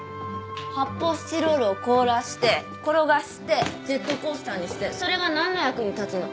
発砲スチロールを凍らせて転がしてジェットコースターにしてそれが何の役に立つの？